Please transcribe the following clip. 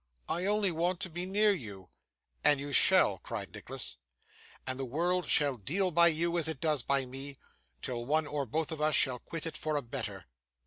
I only want to be near you.' 'And you shall,' cried Nicholas. 'And the world shall deal by you as it does by me, till one or both of us shall quit it for a better.